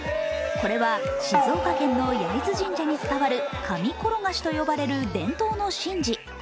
これは静岡県の焼津神社に伝わる神ころがしと呼ばれる伝統の神事。